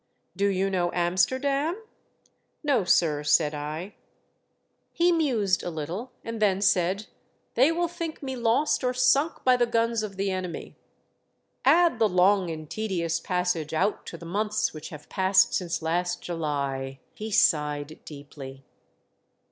" Do you know Amsterdam ?"" No, sir," said I. He mused a little, and then said, " They will think me lost or sunk by the guns of the enemy. Add the long and tedious passage out to the months which have passed since last July!" he sighed deeply.